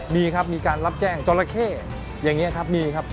มีครับมีการรับแจ้งจราเข้อย่างนี้ครับมีครับ